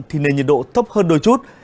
thì nền nhiệt độ thấp hơn đôi chút